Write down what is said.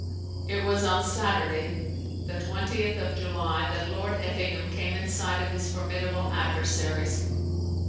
It was on Saturday, the 20th of July, that Lord Effingham came in sight of his formidable adversaries.